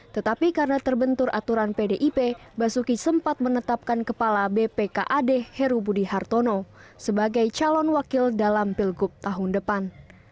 tetapi karena terbentur aturan pdip basuki sempat menetapkan kepala bpkad heru budi hartono sebagai calon wakil dalam pilgub tahun depan